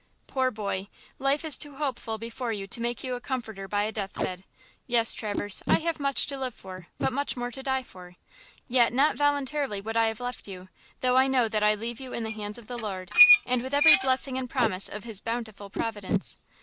"Poor boy, life is too hopeful before you to make you a comforter by a deathbed. Yes, Traverse, I have much to live for but more to die for. Yet not voluntarily would I have left you, though I know that I leave you in the hands of the Lord, and with every blessing and promise of His bountiful providence.